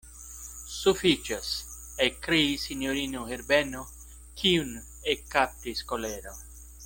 Sufiĉas, ekkriis sinjorino Herbeno, kiun ekkaptis kolero.